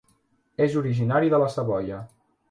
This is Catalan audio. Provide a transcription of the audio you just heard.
És originari de la Savoia.